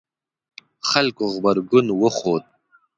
خلکو غبرګون وښود